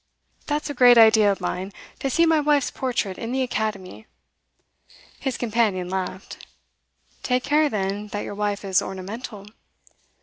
That's a great idea of mine to see my wife's portrait in the Academy.' His companion laughed. 'Take care, then, that your wife is ornamental.